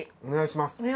お願いします。